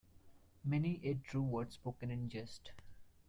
Many a true word spoken in jest.